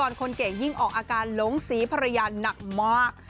คนเก่งยิ่งออกอาการหลงศรีภรรยาหนักมาก